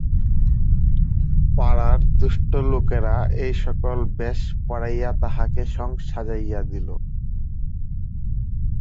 পাড়ার দুষ্ট লোকেরা এই সকল বেশ পরাইয়া তাঁহাকে সঙ সাজাইয়া দিল।